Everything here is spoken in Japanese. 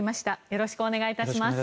よろしくお願いします。